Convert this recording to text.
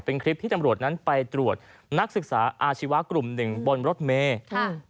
เป็นคลิปที่ตำรวจนั้นไปตรวจนักศึกษาอาชีวะกลุ่มหนึ่งบนรถเมย์ค่ะ